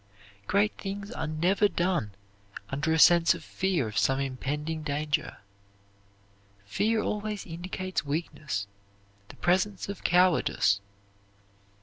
Great things are never done under a sense of fear of some impending danger. Fear always indicates weakness, the presence of cowardice.